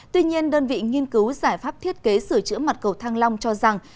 tuy nhiên đơn vị nghiên cứu giải pháp thiết kế sửa chữa mặt cầu thăng long cho rằng